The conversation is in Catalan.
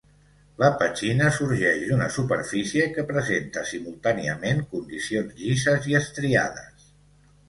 La petxina sorgeix d'una superfície que presenta simultàniament condicions llises i estriades.